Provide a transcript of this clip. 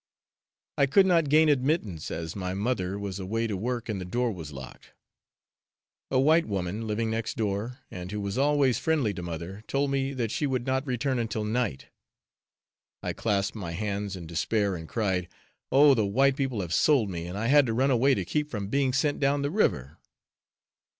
I could not gain admittance, as my mother was away to work and the door was locked. A white woman, living next door, and who was always friendly to mother, told me that she would not return until night. I clasped my hands in despair and cried, "Oh! the white people have sold me, and I had to run away to keep from being sent down the river."